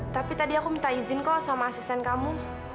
tapi tadi aku minta izin kok sama asisten kamu